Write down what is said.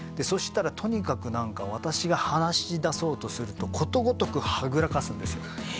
そしたらとにかく私が話しだそうとするとことごとくはぐらかすんですよ